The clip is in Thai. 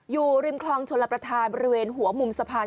อยู่ริมคลองชลประธานบริเวณหัวมุมสะพาน